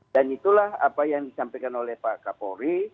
dan itulah apa yang disampaikan oleh pak kapolri